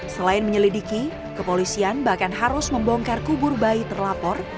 selain menyelidiki kepolisian bahkan harus membongkar kubur bayi terlapor